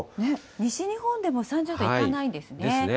西日本でも３０度いかないんですね。